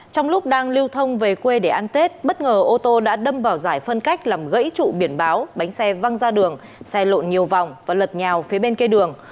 trong lúc đang lưu thông về quê để ăn tết bất ngờ ô tô đã đâm vào giải phân cách làm gãy trụ biển báo bánh xe văng ra đường xe lộn nhiều vòng và lật nhào phía bên kia đường